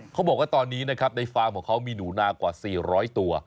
เขาบอกว่าตอนนี้นะครับในฟาร์มของเขามีหนูนากว่า๔๐๐ตัว